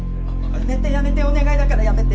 やめてやめてお願いだからやめて。